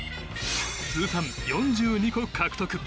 通算４２個獲得。